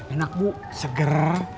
enak bu seger